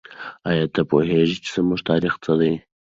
آیا ته پوهېږې چې زموږ تاریخ څه دی؟